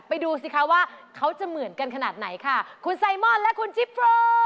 ดูสิคะว่าเขาจะเหมือนกันขนาดไหนค่ะคุณไซมอนและคุณจิโฟ